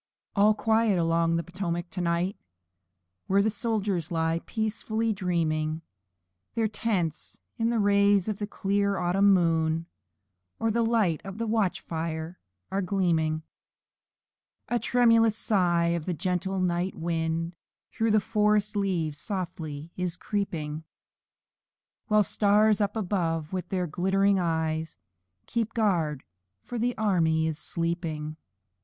All quiet along the Potomac to night! Where soldiers lie peacefully dreaming; And their tents in the rays of the clear autumn moon, And the light of their camp fires are gleaming. A tremulous sigh, as a gentle night wind Through the forest leaves slowly is creeping; While the stars up above, with their glittering eyes, Keep guard o'er the army while sleeping.